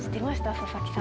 佐々木さん。